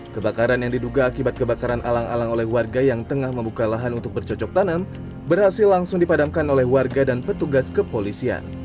kebakaran yang diduga akibat kebakaran alang alang oleh warga yang tengah membuka lahan untuk bercocok tanam berhasil langsung dipadamkan oleh warga dan petugas kepolisian